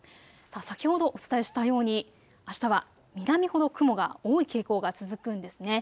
先ほどお伝えしたようにあしたは南ほど雲が多い傾向が続くんですね。